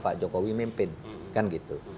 pak jokowi mimpin kan gitu